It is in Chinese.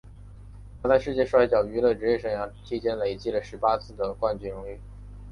他在世界摔角娱乐职业生涯期间累计了十八次的冠军荣誉。